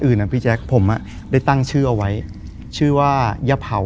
คือก่อนอื่นพี่แจ็คผมได้ตั้งชื่อเอาไว้ชื่อว่าย่าเผา